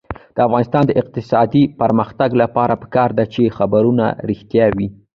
د افغانستان د اقتصادي پرمختګ لپاره پکار ده چې خبرونه رښتیا وي.